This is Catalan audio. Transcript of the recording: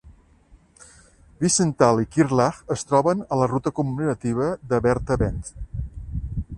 Wiesental i Kirrlach es troben a la Ruta commemorativa de Bertha Benz.